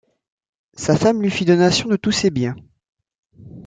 Sa femme lui fit donation de tous ses biens.